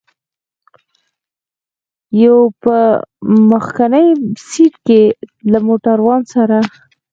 یو په مخکني سېټ کې له موټروان سره.